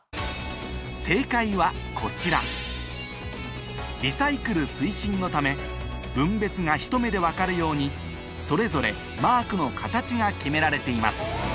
正解はこちらリサイクル推進のため分別がひと目で分かるようにそれぞれマークの形が決められています